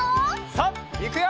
さあいくよ！